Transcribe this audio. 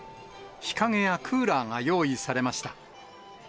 日陰やクーラーが用意されました。